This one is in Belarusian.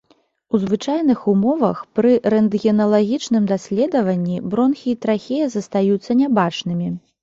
У звычайных умовах пры рэнтгеналагічным даследаванні бронхі і трахея застаюцца нябачнымі.